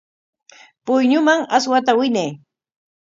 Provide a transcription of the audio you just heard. Puyñuman aswata winay.